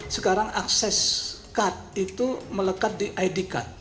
sekarang akses kad itu melekat di id kad